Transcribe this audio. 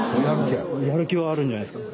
やる気はあるんじゃないすか。